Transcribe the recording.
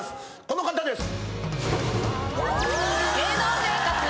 この方です！